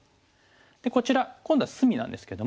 でこちら今度は隅なんですけども。